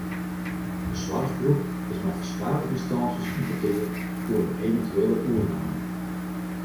De soarchgroep is mei ferskate ynstânsjes yn petear oer in eventuele oername.